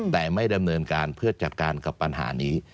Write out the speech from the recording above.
แต่ไม่ดำเนินการเพื่อจัดการกับปัญหานี้